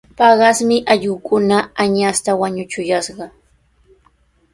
Paqasmi allquukuna añasta wañuchuyashqa.